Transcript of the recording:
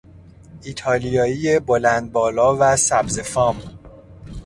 ایتالیایی بلند بالا و سبزه فام